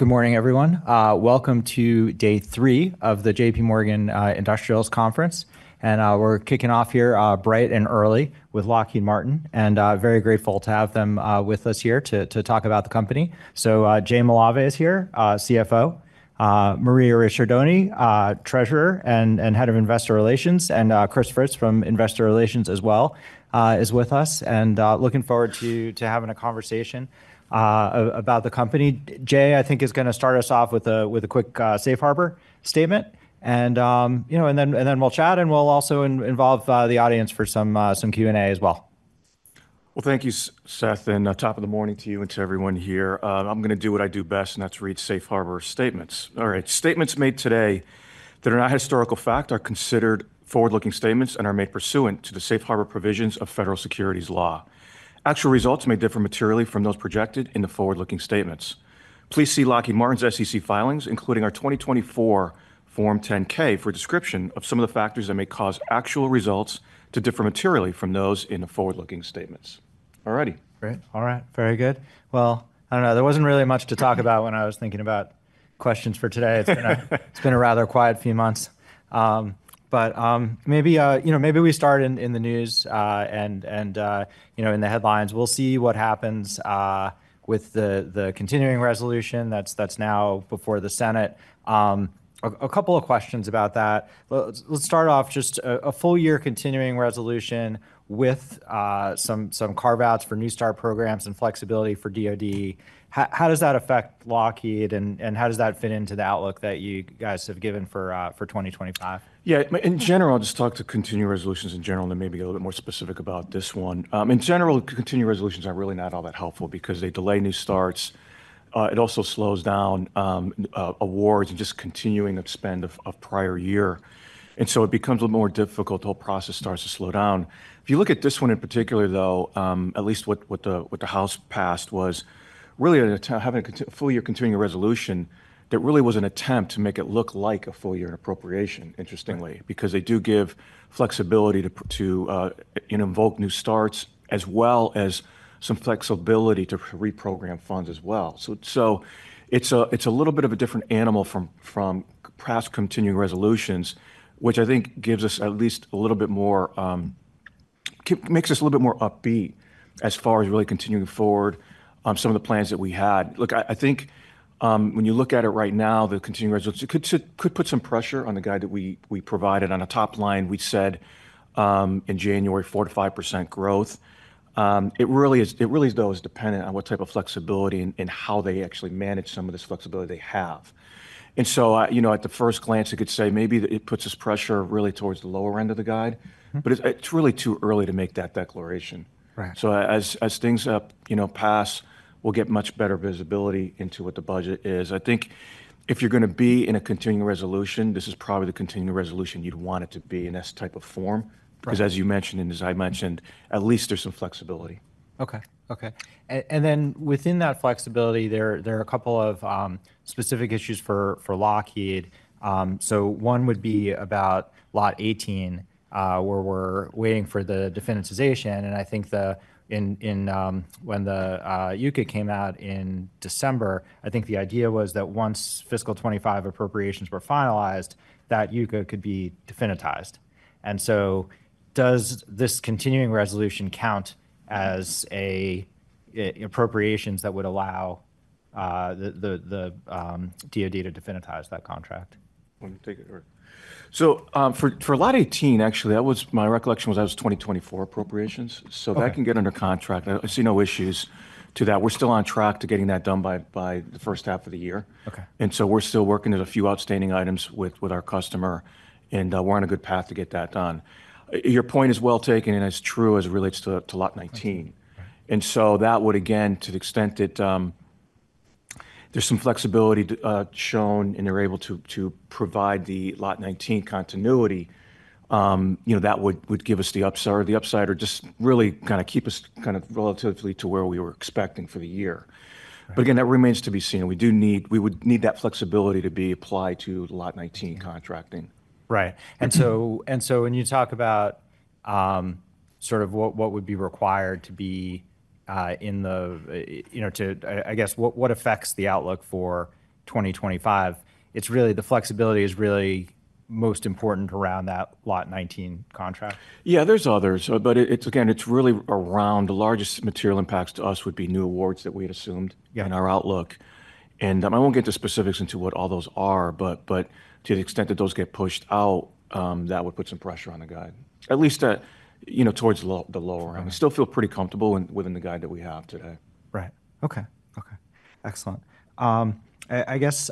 Good morning, everyone. Welcome to day three of the JPMorgan Industrials Conference. We are kicking off here bright and early with Lockheed Martin. I am very grateful to have them with us here to talk about the company. Jay Malave is here, CFO, Maria Ricciardone, Treasurer and Head of Investor Relations, and Christopher from Investor Relations as well is with us. I am looking forward to having a conversation about the company. Jay, I think, is going to start us off with a quick safe harbor statement. We will chat, and we will also involve the audience for some Q&A as well. Thank you, Seth, and top of the morning to you and to everyone here. I'm going to do what I do best, and that's read safe harbor statements. All right, statements made today that are not historical fact are considered forward-looking statements and are made pursuant to the safe harbor provisions of federal securities law. Actual results may differ materially from those projected in the forward-looking statements. Please see Lockheed Martin's SEC filings, including our 2024 Form 10-K, for a description of some of the factors that may cause actual results to differ materially from those in the forward-looking statements. All righty. Great. All right, very good. I don't know. There wasn't really much to talk about when I was thinking about questions for today. It's been a rather quiet few months. Maybe we start in the news and in the headlines. We'll see what happens with the continuing resolution that's now before the Senate. A couple of questions about that. Let's start off just a full year continuing resolution with some carve-outs for new start programs and flexibility for DOD. How does that affect Lockheed? And how does that fit into the outlook that you guys have given for 2025? Yeah, in general, I'll just talk to continuing resolutions in general, and then maybe get a little bit more specific about this one. In general, continuing resolutions are really not all that helpful because they delay new starts. It also slows down awards and just continuing the spend of prior year. It becomes a little more difficult. The whole process starts to slow down. If you look at this one in particular, though, at least what the House passed was really having a full year continuing resolution that really was an attempt to make it look like a full year appropriation, interestingly, because they do give flexibility to invoke new starts, as well as some flexibility to reprogram funds as well. It's a little bit of a different animal from past continuing resolutions, which I think gives us at least a little bit more, makes us a little bit more upbeat as far as really continuing forward some of the plans that we had. Look, I think when you look at it right now, the continuing resolution could put some pressure on the guide that we provided. On a top line, we said in January, 4%-5% growth. It really is, though, dependent on what type of flexibility and how they actually manage some of this flexibility they have. At the first glance, you could say maybe it puts us pressure really towards the lower end of the guide. It's really too early to make that declaration. As things pass, we'll get much better visibility into what the budget is. I think if you're going to be in a continuing resolution, this is probably the continuing resolution you'd want it to be in this type of form. Because as you mentioned, and as I mentioned, at least there's some flexibility. OK, OK. Within that flexibility, there are a couple of specific issues for Lockheed. One would be about Lot 18, where we're waiting for the definitization. I think when the UCA came out in December, the idea was that once fiscal 2025 appropriations were finalized, that UCA could be definitized. Does this continuing resolution count as appropriations that would allow the DOD to definitize that contract? Want to take it? For Lot 18, actually, my recollection was that was 2024 appropriations. That can get under contract. I see no issues to that. We're still on track to getting that done by the first half of the year. We're still working on a few outstanding items with our customer. We're on a good path to get that done. Your point is well taken, and it's true as it relates to Lot 19. That would, again, to the extent that there's some flexibility shown and they're able to provide the Lot 19 continuity, give us the upside or just really kind of keep us kind of relatively to where we were expecting for the year. Again, that remains to be seen. We would need that flexibility to be applied to Lot 19 contracting. Right. When you talk about sort of what would be required to be in the, I guess, what affects the outlook for 2025, it's really the flexibility is really most important around that Lot 19 contract? Yeah, there's others. Again, it's really around the largest material impacts to us would be new awards that we had assumed in our outlook. I won't get into specifics into what all those are. To the extent that those get pushed out, that would put some pressure on the guide, at least towards the lower end. We still feel pretty comfortable within the guide that we have today. Right. OK, OK. Excellent. I guess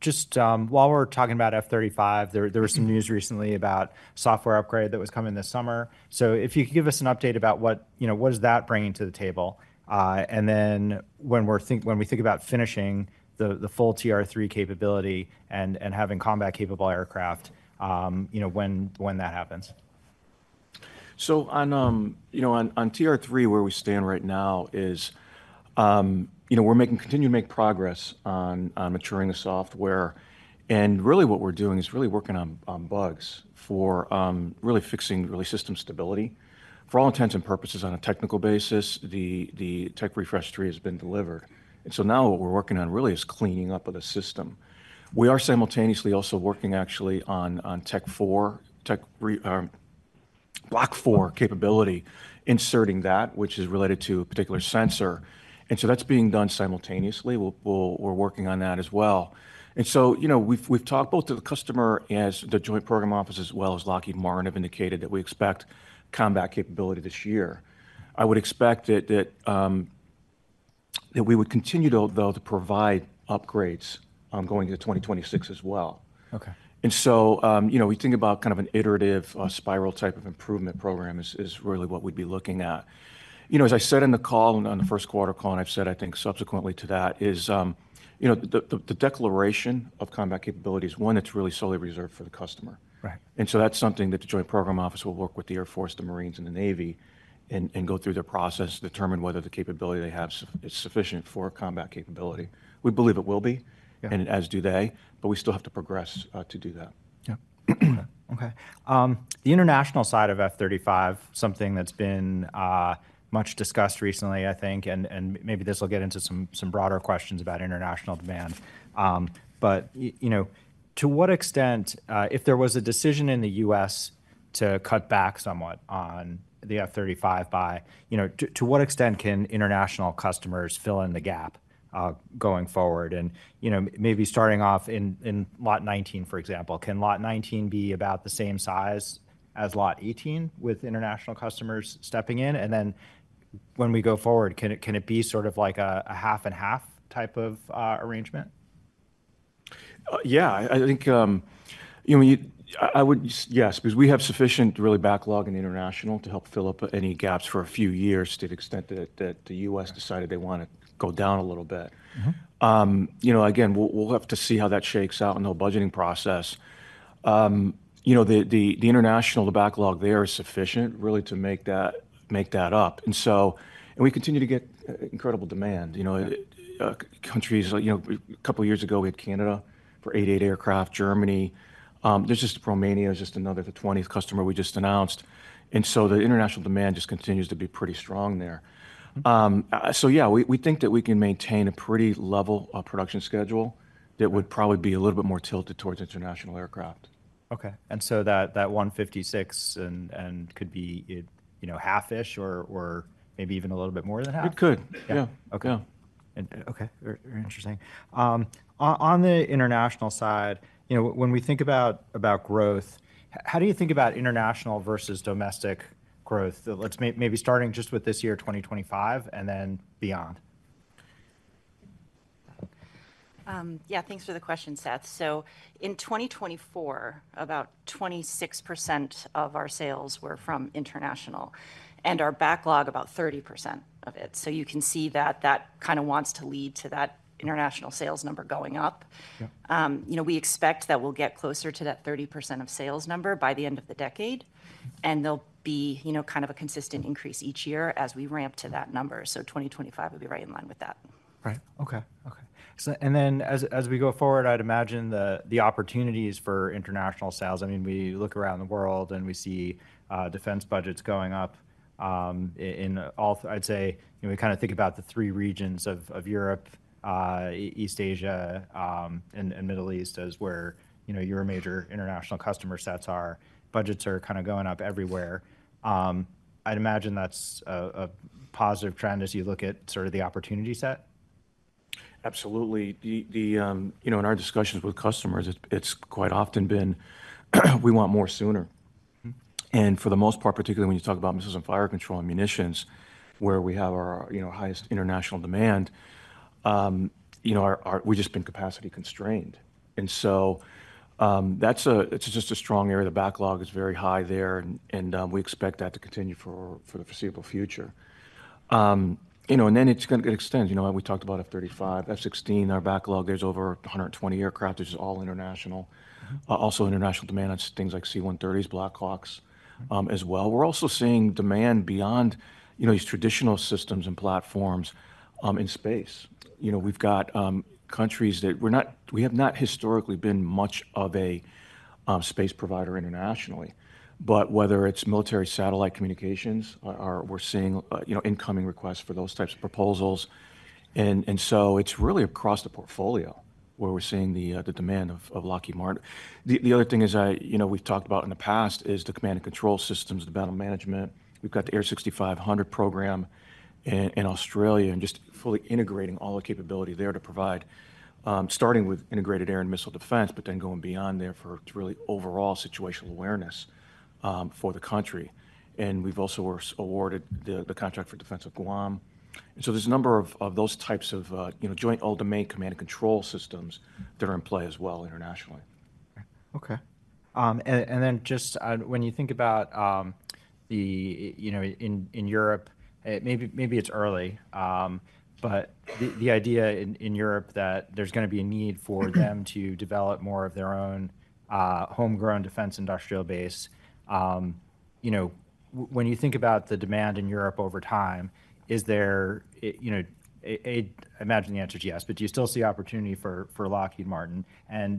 just while we're talking about F-35, there was some news recently about a software upgrade that was coming this summer. If you could give us an update about what is that bringing to the table? When we think about finishing the full TR-3 capability and having combat-capable aircraft, when that happens? On TR-3, where we stand right now is we're continuing to make progress on maturing the software. Really what we're doing is working on bugs for fixing system stability. For all intents and purposes, on a technical basis, the Tech Refresh 3 has been delivered. Now what we're working on is cleaning up of the system. We are simultaneously also working, actually, on Tech Block 4 capability, inserting that, which is related to a particular sensor. That's being done simultaneously. We're working on that as well. We've talked both to the customer and the Joint Program Office, as well as Lockheed Martin, have indicated that we expect combat capability this year. I would expect that we would continue to, though, provide upgrades going into 2026 as well. We think about kind of an iterative spiral type of improvement program is really what we'd be looking at. As I said in the call, on the first quarter call, and I've said, I think, subsequently to that, the declaration of combat capability is one that's really solely reserved for the customer. That is something that the Joint Program Office will work with the Air Force, the Marines, and the Navy and go through their process to determine whether the capability they have is sufficient for combat capability. We believe it will be, and as do they. We still have to progress to do that. Yeah. OK. The international side of F-35, something that's been much discussed recently, I think. Maybe this will get into some broader questions about international demand. To what extent, if there was a decision in the U.S. to cut back somewhat on the F-35, to what extent can international customers fill in the gap going forward? Maybe starting off in Lot 19, for example, can Lot 19 be about the same size as Lot 18 with international customers stepping in? When we go forward, can it be sort of like a half and half type of arrangement? Yeah, I think I would, yes, because we have sufficient really backlog in the international to help fill up any gaps for a few years to the extent that the U.S. decided they want to go down a little bit. Again, we'll have to see how that shakes out in the budgeting process. The international backlog there is sufficient really to make that up. We continue to get incredible demand. Countries, a couple of years ago, we had Canada for 88 aircraft, Germany. Romania is just another 20th customer we just announced. The international demand just continues to be pretty strong there. Yeah, we think that we can maintain a pretty level production schedule that would probably be a little bit more tilted towards international aircraft. OK. That 156 could be half-ish or maybe even a little bit more than half? It could. Yeah. OK. OK, very interesting. On the international side, when we think about growth, how do you think about international versus domestic growth? Maybe starting just with this year, 2025, and then beyond. Yeah, thanks for the question, Seth. In 2024, about 26% of our sales were from international, and our backlog about 30% of it. You can see that that kind of wants to lead to that international sales number going up. We expect that we'll get closer to that 30% of sales number by the end of the decade. There'll be kind of a consistent increase each year as we ramp to that number. 2025 would be right in line with that. Right. OK, OK. As we go forward, I'd imagine the opportunities for international sales. I mean, we look around the world, and we see defense budgets going up. I'd say we kind of think about the three regions of Europe, East Asia, and Middle East as where your major international customer sets are. Budgets are kind of going up everywhere. I'd imagine that's a positive trend as you look at sort of the opportunity set. Absolutely. In our discussions with customers, it's quite often been, we want more sooner. For the most part, particularly when you talk about missiles and fire control and munitions, where we have our highest international demand, we've just been capacity constrained. That is just a strong area. The backlog is very high there. We expect that to continue for the foreseeable future. It extends. We talked about F-35, F-16. Our backlog, there's over 120 aircraft, which is all international. Also, international demand on things like C-130s, Black Hawks as well. We're also seeing demand beyond these traditional systems and platforms in space. We've got countries that we have not historically been much of a space provider internationally. Whether it's military satellite communications, we're seeing incoming requests for those types of proposals. It is really across the portfolio where we're seeing the demand of Lockheed Martin. The other thing we've talked about in the past is the command and control systems, the battle management. We've got the AIR6500 program in Australia and just fully integrating all the capability there to provide, starting with integrated air and missile defense, but then going beyond there for really overall situational awareness for the country. We've also awarded the contract for Defense of Guam. There are a number of those types of joint ultimate command and control systems that are in play as well internationally. OK. When you think about in Europe, maybe it's early. The idea in Europe that there's going to be a need for them to develop more of their own homegrown defense industrial base, when you think about the demand in Europe over time, is there A, I imagine the answer is yes, but do you still see opportunity for Lockheed Martin?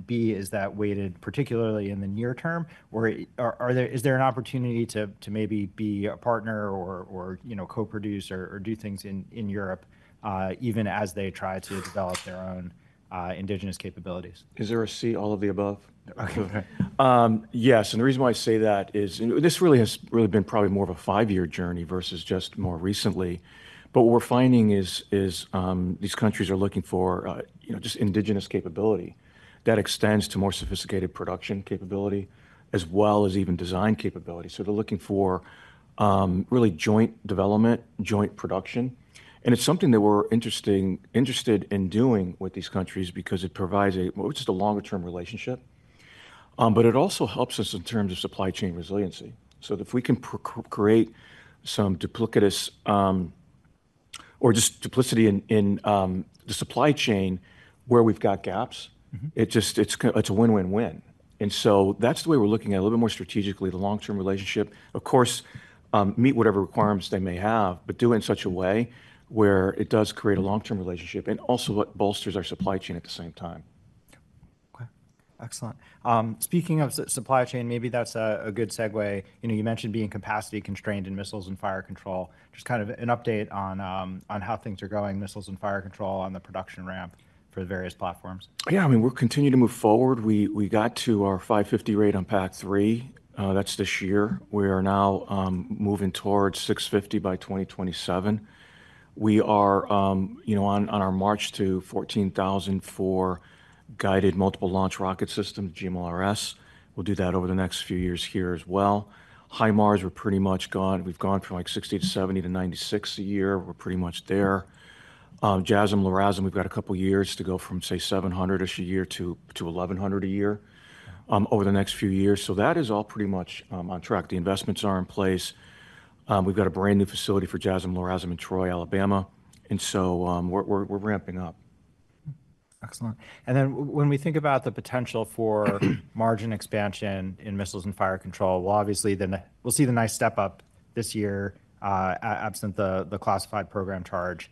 Is that weighted particularly in the near term? Is there an opportunity to maybe be a partner or co-produce or do things in Europe even as they try to develop their own indigenous capabilities? Is there a C, all of the above? OK. Yes. The reason why I say that is this really has really been probably more of a five-year journey versus just more recently. What we're finding is these countries are looking for just indigenous capability that extends to more sophisticated production capability as well as even design capability. They're looking for really joint development, joint production. It's something that we're interested in doing with these countries because it provides just a longer-term relationship. It also helps us in terms of supply chain resiliency. If we can create some duplicitous or just duplicity in the supply chain where we've got gaps, it's a win-win-win. That's the way we're looking at it a little bit more strategically, the long-term relationship. Of course, meet whatever requirements they may have, but do it in such a way where it does create a long-term relationship and also what bolsters our supply chain at the same time. OK. Excellent. Speaking of supply chain, maybe that's a good segue. You mentioned being capacity constrained in missiles and fire control. Just kind of an update on how things are going, missiles and fire control on the production ramp for the various platforms. Yeah, I mean, we're continuing to move forward. We got to our 550 rate on PAC-3. That's this year. We are now moving towards 650 by 2027. We are on our march to 14,000 for Guided Multiple Launch Rocket Systems, GMLRS. We'll do that over the next few years here as well. HIMARS, we're pretty much gone. We've gone from like 60 to 70 to 96 a year. We're pretty much there. JASSM, LRASM, we've got a couple of years to go from, say, 700-ish a year to 1,100 a year over the next few years. That is all pretty much on track. The investments are in place. We've got a brand new facility for JASSM, LRASM in Troy, Alabama. We are ramping up. Excellent. When we think about the potential for margin expansion in missiles and fire control, obviously, we'll see the nice step up this year absent the classified program charge.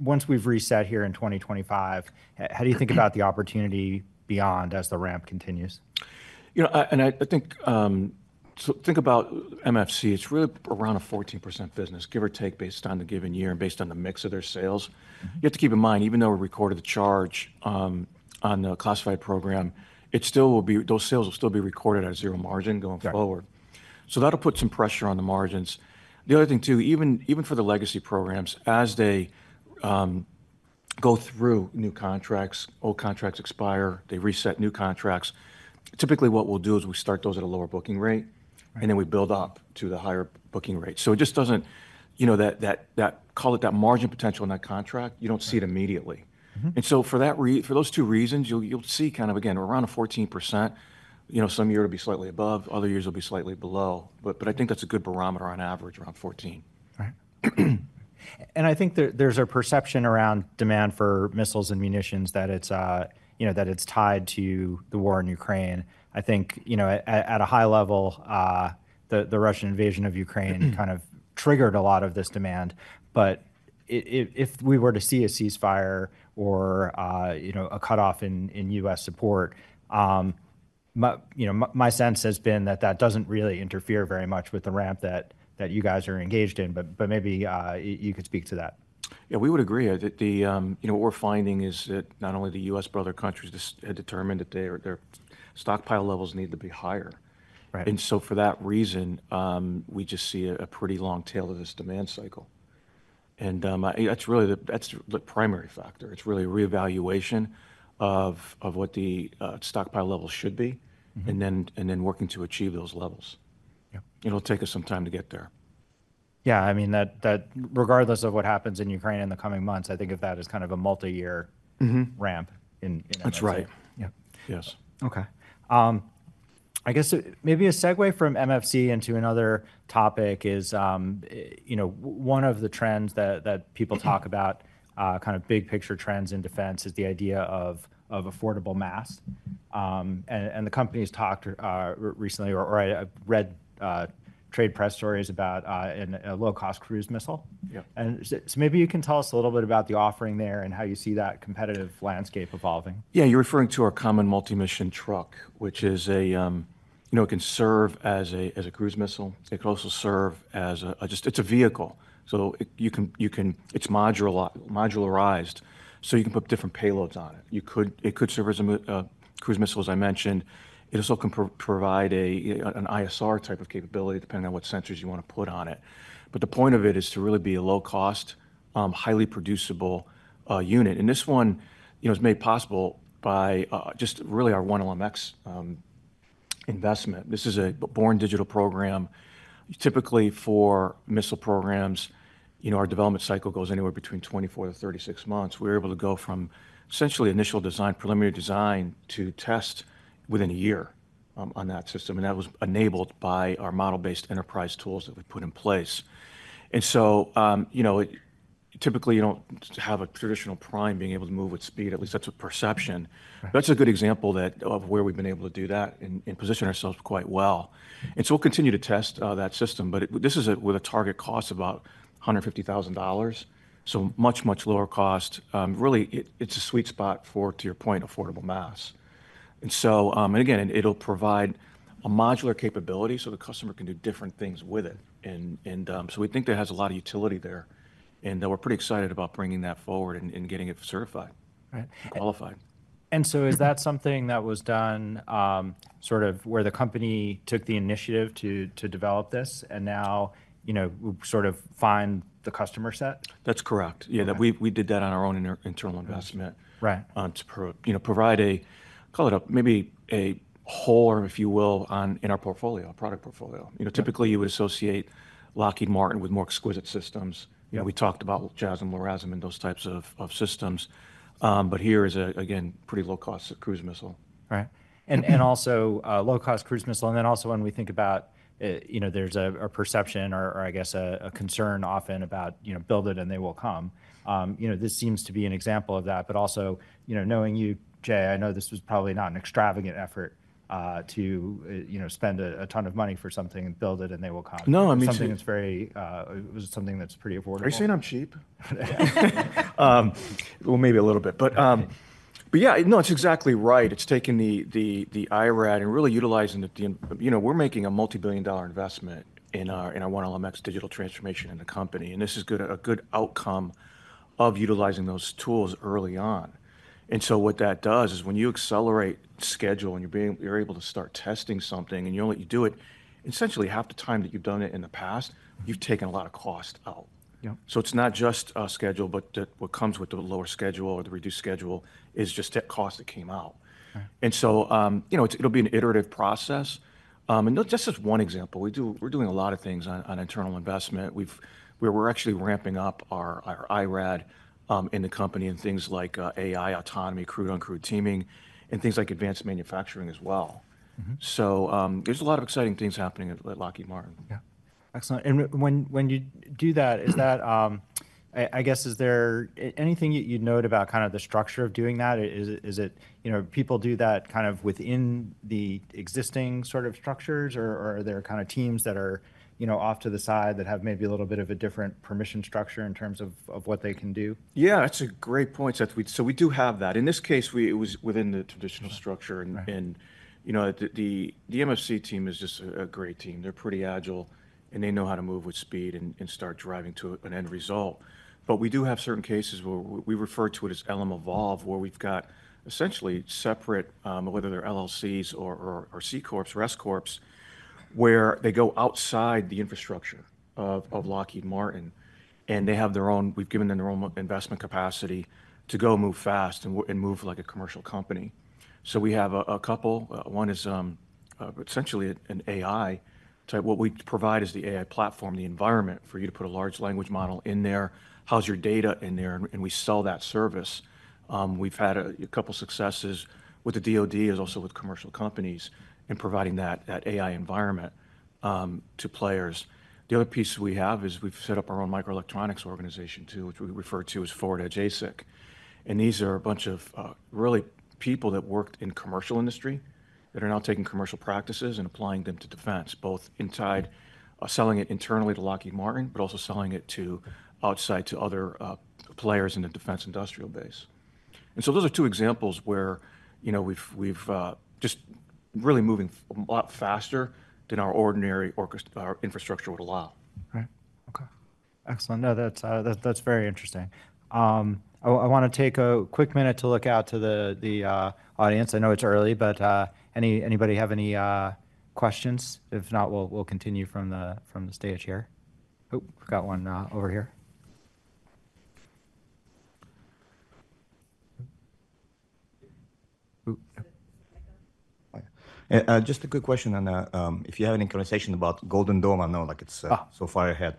Once we've reset here in 2025, how do you think about the opportunity beyond as the ramp continues? I think so think about MFC. It's really around a 14% business, give or take based on the given year and based on the mix of their sales. You have to keep in mind, even though we recorded the charge on the classified program, those sales will still be recorded at a zero margin going forward. That'll put some pressure on the margins. The other thing, too, even for the legacy programs, as they go through new contracts, old contracts expire, they reset new contracts. Typically, what we'll do is we start those at a lower booking rate, and then we build up to the higher booking rate. It just doesn't call it that margin potential in that contract. You don't see it immediately. For those two reasons, you'll see kind of, again, around a 14%. Some year it'll be slightly above. Other years it'll be slightly below. I think that's a good barometer on average, around 14. Right. I think there is a perception around demand for missiles and munitions that it is tied to the war in Ukraine. I think at a high level, the Russian invasion of Ukraine kind of triggered a lot of this demand. If we were to see a ceasefire or a cutoff in U.S. support, my sense has been that that does not really interfere very much with the ramp that you guys are engaged in. Maybe you could speak to that. Yeah, we would agree that what we're finding is that not only the U.S. but other countries have determined that their stockpile levels need to be higher. For that reason, we just see a pretty long tail of this demand cycle. That's really the primary factor. It's really a reevaluation of what the stockpile levels should be and then working to achieve those levels. It'll take us some time to get there. Yeah, I mean, regardless of what happens in Ukraine in the coming months, I think of that as kind of a multi-year ramp in energy. That's right. Yes. OK. I guess maybe a segue from MFC into another topic is one of the trends that people talk about, kind of big picture trends in defense, is the idea of Affordable Mass. The company's talked recently or I read trade press stories about a low-cost cruise missile. Maybe you can tell us a little bit about the offering there and how you see that competitive landscape evolving. Yeah, you're referring to our Common Multi-Mission Truck, which can serve as a cruise missile. It can also serve as a just it's a vehicle. So it's modularized. You can put different payloads on it. It could serve as a cruise missile, as I mentioned. It also can provide an ISR type of capability depending on what sensors you want to put on it. The point of it is to really be a low-cost, highly producible unit. This one is made possible by just really our 1LMX investment. This is a born digital program. Typically for missile programs, our development cycle goes anywhere between 24-36 months. We're able to go from essentially initial design, preliminary design, to test within a year on that system. That was enabled by our model-based enterprise tools that we put in place. Typically, you do not have a traditional prime being able to move with speed. At least that is a perception. That is a good example of where we have been able to do that and position ourselves quite well. We will continue to test that system. This is with a target cost of about $150,000. Much, much lower cost. Really, it is a sweet spot for, to your point, affordable mass. It will provide a modular capability so the customer can do different things with it. We think that has a lot of utility there. We are pretty excited about bringing that forward and getting it certified and qualified. Is that something that was done sort of where the company took the initiative to develop this and now sort of find the customer set? That's correct. Yeah, we did that on our own internal investment to provide a, call it maybe a hole, if you will, in our portfolio, a product portfolio. Typically, you would associate Lockheed Martin with more exquisite systems. We talked about JASSM, LRASM, and those types of systems. Here is a, again, pretty low-cost cruise missile. Right. Also low-cost cruise missile. When we think about there's a perception or, I guess, a concern often about build it and they will come. This seems to be an example of that. Also knowing you, Jay, I know this was probably not an extravagant effort to spend a ton of money for something and build it and they will come. No, I mean. Something that's very, it was something that's pretty affordable. Are you saying I'm cheap? Maybe a little bit. Yeah, no, it's exactly right. It's taking the IRAD and really utilizing the we're making a multi-billion dollar investment in our 1LMX digital transformation in the company. This is a good outcome of utilizing those tools early on. What that does is when you accelerate schedule and you're able to start testing something and you only do it essentially half the time that you've done it in the past, you've taken a lot of cost out. It's not just a schedule, but what comes with the lower schedule or the reduced schedule is just that cost that came out. It'll be an iterative process. Just as one example, we're doing a lot of things on internal investment. We're actually ramping up our IRAD in the company in things like AI, autonomy, crewed-uncrewed teaming, and things like advanced manufacturing as well. There's a lot of exciting things happening at Lockheed Martin. Yeah. Excellent. When you do that, I guess, is there anything you'd note about kind of the structure of doing that? Is it people do that kind of within the existing sort of structures? Or are there kind of teams that are off to the side that have maybe a little bit of a different permission structure in terms of what they can do? Yeah, that's a great point. We do have that. In this case, it was within the traditional structure. The MFC team is just a great team. They're pretty agile. They know how to move with speed and start driving to an end result. We do have certain cases where we refer to it as LM Evolve, where we've got essentially separate, whether they're LLCs or C Corps or S Corps, where they go outside the infrastructure of Lockheed Martin. They have their own, we've given them their own investment capacity to go move fast and move like a commercial company. We have a couple. One is essentially an AI type. What we provide is the AI platform, the environment for you to put a large language model in there, house your data in there, and we sell that service. We've had a couple of successes with the DOD, also with commercial companies, in providing that AI environment to players. The other piece we have is we've set up our own microelectronics organization, too, which we refer to as ForwardEdge ASIC. These are a bunch of really people that worked in commercial industry that are now taking commercial practices and applying them to defense, both inside selling it internally to Lockheed Martin, but also selling it outside to other players in the defense industrial base. Those are two examples where we've just really moving a lot faster than our ordinary infrastructure would allow. Right. OK. Excellent. No, that's very interesting. I want to take a quick minute to look out to the audience. I know it's early, but anybody have any questions? If not, we'll continue from the stage here. Oh, we've got one over here. Just a quick question on that. If you have any conversation about Golden Dome, I know it's so far ahead.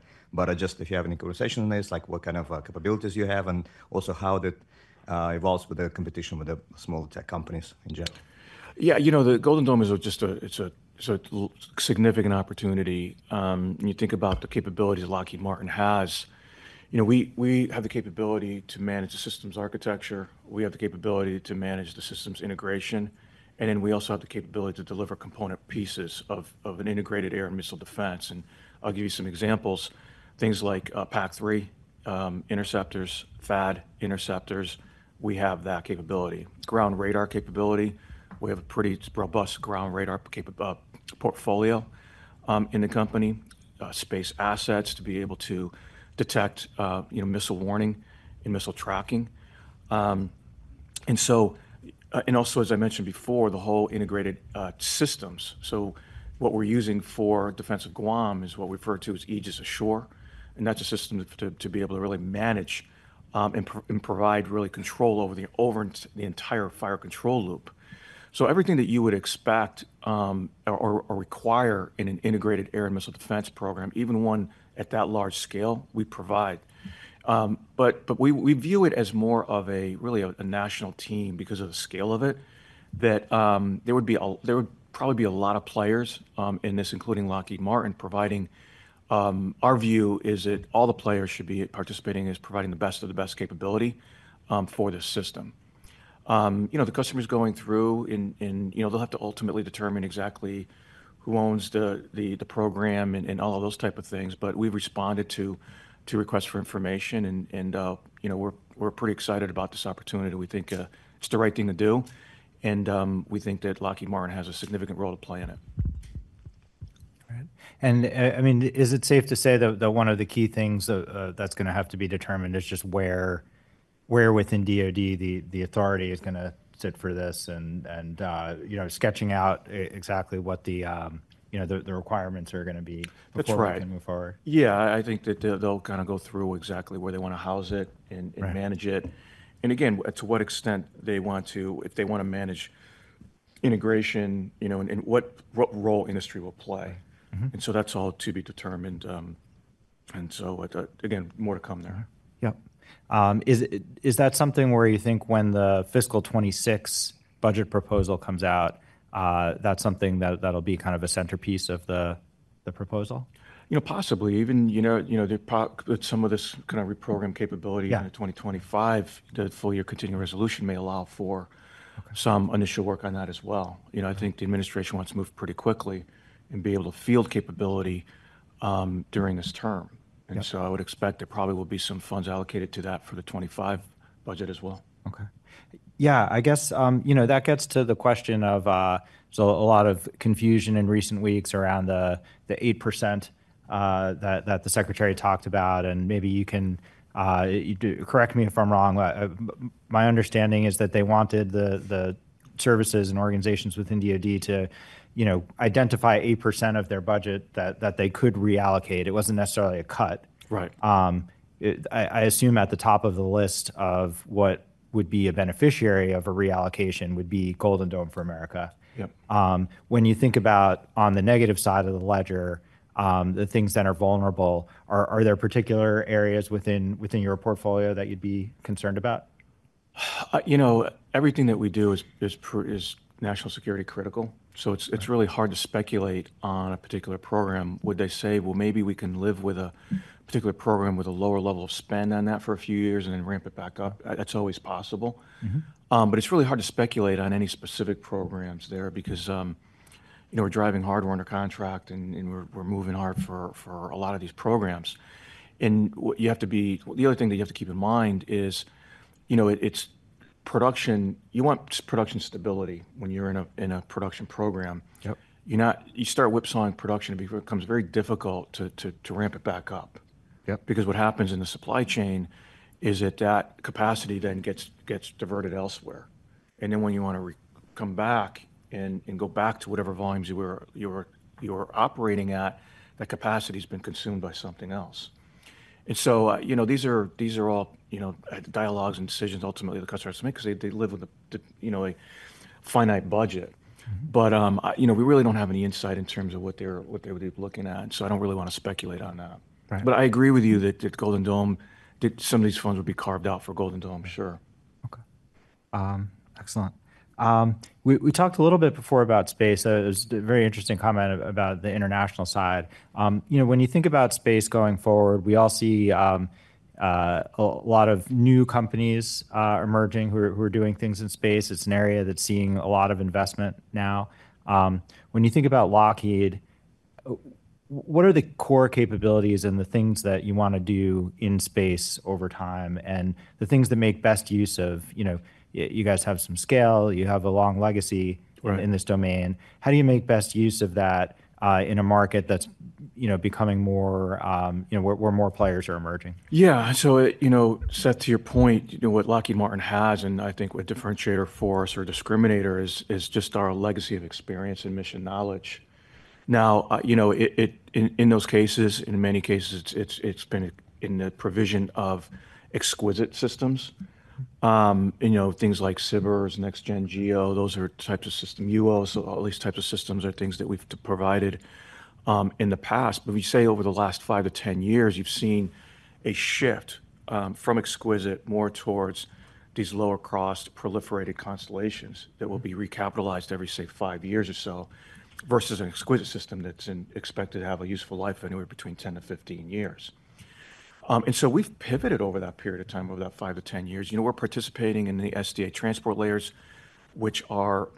Just if you have any conversation on this, like what kind of capabilities you have and also how that evolves with the competition with the small tech companies in general? Yeah, you know the Golden Dome is just a significant opportunity. You think about the capabilities Lockheed Martin has. We have the capability to manage the systems architecture. We have the capability to manage the systems integration. We also have the capability to deliver component pieces of an integrated air and missile defense. I'll give you some examples. Things like PAC-3 interceptors, THAAD interceptors. We have that capability. Ground radar capability. We have a pretty robust ground radar portfolio in the company. Space assets to be able to detect missile warning and missile tracking. Also, as I mentioned before, the whole integrated systems. What we're using for Defense of Guam is what we refer to as Aegis Ashore. That's a system to be able to really manage and provide really control over the entire fire control loop. Everything that you would expect or require in an integrated air and missile defense program, even one at that large scale, we provide. We view it as really a national team because of the scale of it, that there would probably be a lot of players in this, including Lockheed Martin. Our view is that all the players should be participating as providing the best of the best capability for this system. The customer's going through and they'll have to ultimately determine exactly who owns the program and all of those type of things. We've responded to requests for information. We're pretty excited about this opportunity. We think it's the right thing to do. We think that Lockheed Martin has a significant role to play in it. Right. I mean, is it safe to say that one of the key things that's going to have to be determined is just where within DOD the authority is going to sit for this and sketching out exactly what the requirements are going to be before they can move forward? That's right. Yeah, I think that they'll kind of go through exactly where they want to house it and manage it. I think, again, to what extent they want to, if they want to manage integration and what role industry will play. That's all to be determined. Again, more to come there. Yep. Is that something where you think when the fiscal 2026 budget proposal comes out, that's something that'll be kind of a centerpiece of the proposal? Possibly. Even some of this kind of reprogram capability in 2025, the full year continuing resolution may allow for some initial work on that as well. I think the administration wants to move pretty quickly and be able to field capability during this term. I would expect there probably will be some funds allocated to that for the 2025 budget as well. OK. Yeah, I guess that gets to the question of there's a lot of confusion in recent weeks around the 8% that the secretary talked about. Maybe you can correct me if I'm wrong. My understanding is that they wanted the services and organizations within DOD to identify 8% of their budget that they could reallocate. It wasn't necessarily a cut. Right. I assume at the top of the list of what would be a beneficiary of a reallocation would be Golden Dome for America. Yep. When you think about on the negative side of the ledger, the things that are vulnerable, are there particular areas within your portfolio that you'd be concerned about? Everything that we do is national security critical. It is really hard to speculate on a particular program. Would they say, maybe we can live with a particular program with a lower level of spend on that for a few years and then ramp it back up? That is always possible. It is really hard to speculate on any specific programs there because we are driving hardware under contract and we are moving hard for a lot of these programs. The other thing that you have to keep in mind is production. You want production stability when you are in a production program. You start whipsawing production, it becomes very difficult to ramp it back up. What happens in the supply chain is that capacity then gets diverted elsewhere. When you want to come back and go back to whatever volumes you were operating at, that capacity has been consumed by something else. These are all dialogues and decisions ultimately the customer has to make because they live with a finite budget. We really do not have any insight in terms of what they would be looking at. I do not really want to speculate on that. I agree with you that Golden Dome, that some of these funds would be carved out for Golden Dome, sure. OK. Excellent. We talked a little bit before about space. It was a very interesting comment about the international side. When you think about space going forward, we all see a lot of new companies emerging who are doing things in space. It's an area that's seeing a lot of investment now. When you think about Lockheed, what are the core capabilities and the things that you want to do in space over time and the things that make best use of you guys have some scale. You have a long legacy in this domain. How do you make best use of that in a market that's becoming more where more players are emerging? Yeah. To your point, what Lockheed Martin has and I think what differentiator for us or discriminator is just our legacy of experience and mission knowledge. In those cases, in many cases, it's been in the provision of exquisite systems. Things like SBIRS, Next Gen GEO, those are types of system UOs. All these types of systems are things that we've provided in the past. We say over the last five to 10 years, you've seen a shift from exquisite more towards these lower cost, proliferated constellations that will be recapitalized every, say, five years or so versus an exquisite system that's expected to have a useful life anywhere between 10 to 15 years. We have pivoted over that period of time, over that five to 10 years. We're participating in the SDA Transport Layers, which are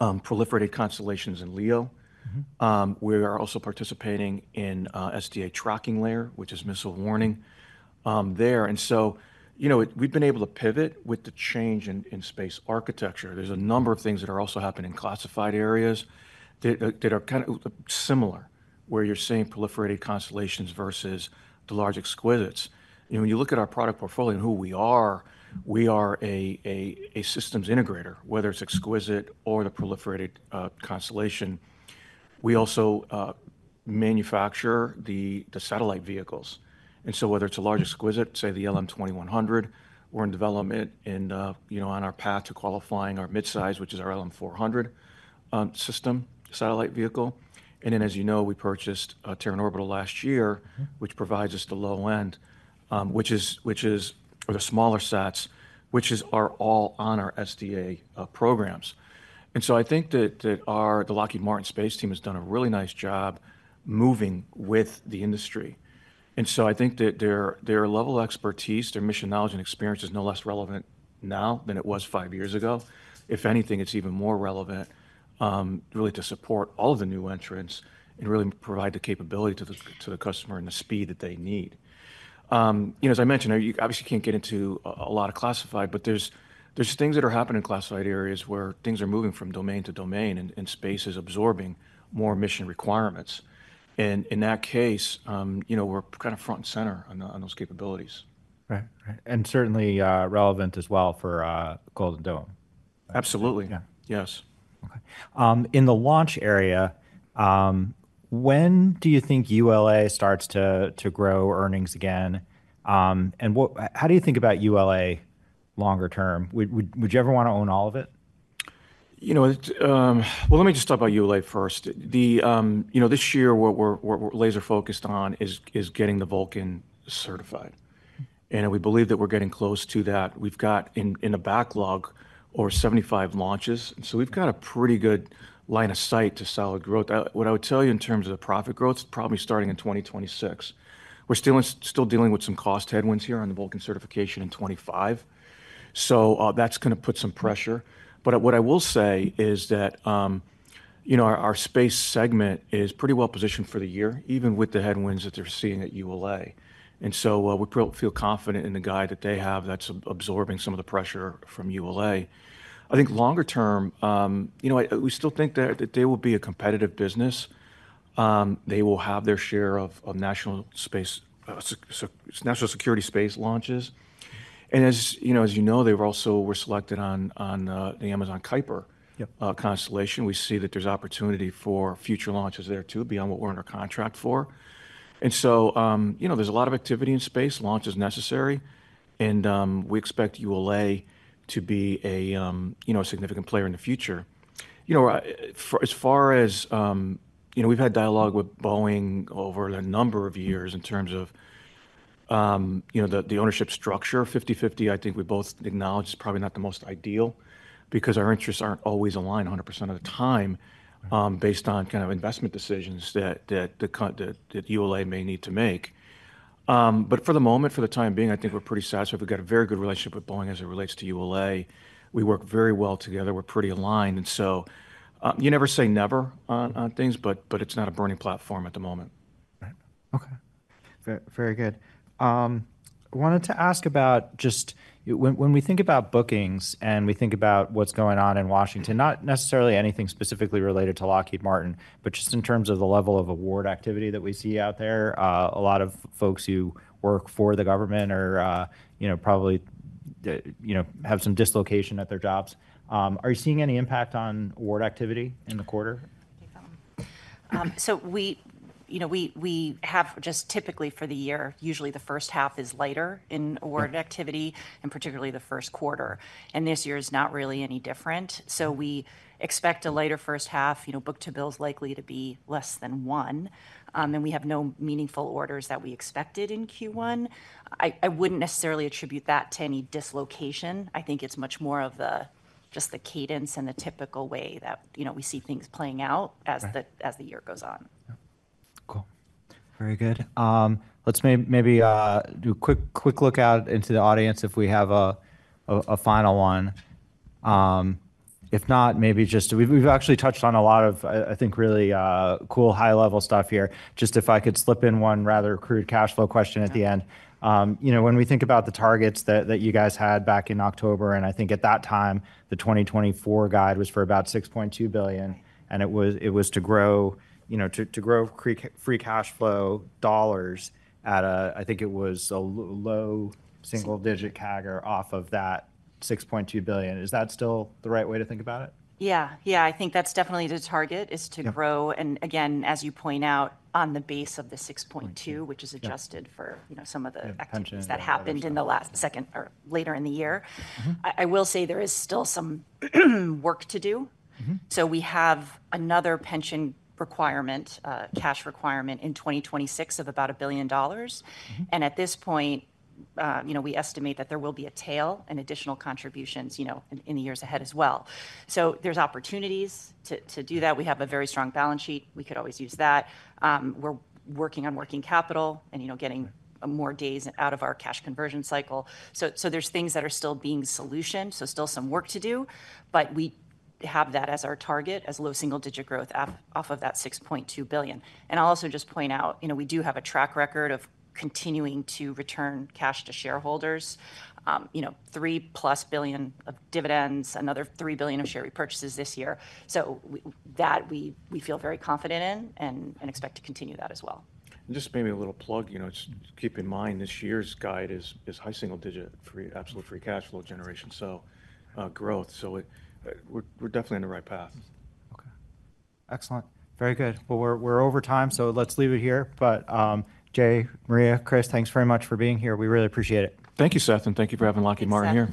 proliferated constellations in LEO. We are also participating in SDA Tracking Layer, which is missile warning there. We have been able to pivot with the change in space architecture. There are a number of things that are also happening in classified areas that are kind of similar where you are seeing proliferated constellations versus the large exquisites. When you look at our product portfolio and who we are, we are a systems integrator, whether it is exquisite or the proliferated constellation. We also manufacture the satellite vehicles. Whether it is a large exquisite, say the LM 2100, we are in development and on our path to qualifying our mid-size, which is our LM 400 system satellite vehicle. As you know, we purchased Terran Orbital last year, which provides us the low end, which is the smaller sets, which are all on our SDA programs. I think that the Lockheed Martin space team has done a really nice job moving with the industry. I think that their level of expertise, their mission knowledge, and experience is no less relevant now than it was five years ago. If anything, it's even more relevant really to support all of the new entrants and really provide the capability to the customer and the speed that they need. As I mentioned, obviously, you can't get into a lot of classified, but there's things that are happening in classified areas where things are moving from domain to domain and space is absorbing more mission requirements. In that case, we're kind of front and center on those capabilities. Right. Right. And certainly relevant as well for Golden Dome. Absolutely. Yes. OK. In the launch area, when do you think ULA starts to grow earnings again? How do you think about ULA longer term? Would you ever want to own all of it? Let me just talk about ULA first. This year, what we're laser focused on is getting the Vulcan certified. We believe that we're getting close to that. We've got in the backlog over 75 launches. We have a pretty good line of sight to solid growth. What I would tell you in terms of the profit growth is probably starting in 2026. We're still dealing with some cost headwinds here on the Vulcan certification in 2025. That is going to put some pressure. What I will say is that our space segment is pretty well positioned for the year, even with the headwinds that they're seeing at ULA. We feel confident in the guy that they have that's absorbing some of the pressure from ULA. I think longer term, we still think that they will be a competitive business. They will have their share of national security space launches. As you know, they were also selected on the Amazon Kuiper constellation. We see that there's opportunity for future launches there, too, beyond what we're under contract for. There is a lot of activity in space. Launch is necessary. We expect ULA to be a significant player in the future. As far as we've had dialogue with Boeing over a number of years in terms of the ownership structure, 50/50, I think we both acknowledge is probably not the most ideal because our interests aren't always aligned 100% of the time based on kind of investment decisions that ULA may need to make. For the moment, for the time being, I think we're pretty satisfied. We've got a very good relationship with Boeing as it relates to ULA. We work very well together. We're pretty aligned. You never say never on things, but it's not a burning platform at the moment. Right. OK. Very good. I wanted to ask about just when we think about bookings and we think about what's going on in Washington, not necessarily anything specifically related to Lockheed Martin, but just in terms of the level of award activity that we see out there, a lot of folks who work for the government probably have some dislocation at their jobs. Are you seeing any impact on award activity in the quarter? We have just typically for the year, usually the first half is lighter in award activity, and particularly the first quarter. This year is not really any different. We expect a lighter first half. Book to bill is likely to be less than one. We have no meaningful orders that we expected in Q1. I would not necessarily attribute that to any dislocation. I think it is much more of just the cadence and the typical way that we see things playing out as the year goes on. Cool. Very good. Let's maybe do a quick look out into the audience if we have a final one. If not, maybe just we've actually touched on a lot of, I think, really cool high-level stuff here. Just if I could slip in one rather crude cash flow question at the end. When we think about the targets that you guys had back in October, and I think at that time the 2024 guide was for about $6.2 billion, and it was to grow free cash flow dollars at, I think it was a low single-digit CAGR off of that $6.2 billion. Is that still the right way to think about it? Yeah. Yeah, I think that's definitely the target, is to grow. Again, as you point out, on the base of the $6.2 billion, which is adjusted for some of the exchanges that happened in the last second or later in the year. I will say there is still some work to do. We have another pension requirement, cash requirement in 2026 of about $1 billion. At this point, we estimate that there will be a tail and additional contributions in the years ahead as well. There are opportunities to do that. We have a very strong balance sheet. We could always use that. We're working on working capital and getting more days out of our cash conversion cycle. There are things that are still being solutioned, still some work to do. We have that as our target, as low single-digit growth off of that $6.2 billion. I will also just point out we do have a track record of continuing to return cash to shareholders, $3 billion plus of dividends, another $3 billion of share repurchases this year. That we feel very confident in and expect to continue that as well. Just maybe a little plug, just keep in mind this year's guide is high single-digit absolute free cash flow generation, so growth. We are definitely on the right path. OK. Excellent. Very good. We're over time, so let's leave it here. Jay, Maria, Chris, thanks very much for being here. We really appreciate it. Thank you, Seth, and thank you for having Lockheed Martin here.